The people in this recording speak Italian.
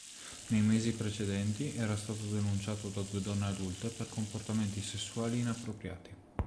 Nei mesi precedenti era stato denunciato da due donne adulte per comportamenti sessuali inappropriati.